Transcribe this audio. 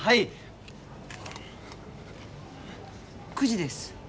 ９時です。